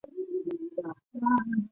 韩叙毕业于燕京大学。